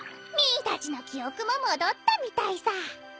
ミーたちの記憶も戻ったみたいさ。